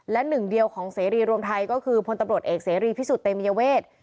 และหนึ่งเดียวของเสรีรวมไทยก็คือพลตำรวจเอกเสรีพิสุทธิเตมียเวท